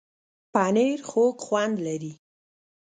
پنېر خوږ خوند لري.